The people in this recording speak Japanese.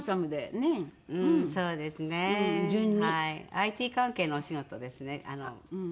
ＩＴ関係のお仕事ですね長男は。